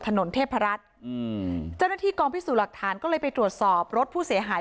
ถนนเทพรัฐอืมเจ้าหน้าที่กองพิสูจน์หลักฐานก็เลยไปตรวจสอบรถผู้เสียหาย